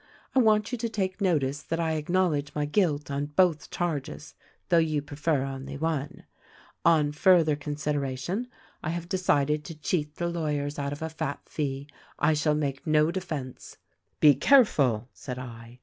I want you to take notice that I acknowledge my guilt on both charges, 222 THE RECORDING ANGEL though you prefer only one. On further consideration I have decided to cheat the lawyers out of a fat fee ; I shall make no defense.' " 'Be careful,' said I.